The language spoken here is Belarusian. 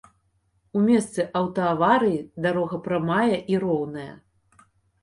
У месцы аўтааварыі дарога прамая і роўная.